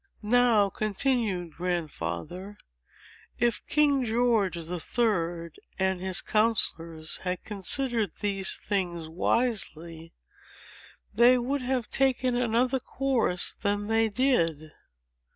"Now," continued Grandfather, "if King George the Third and his counsellors had considered these things wisely, they would have taken another course than they did.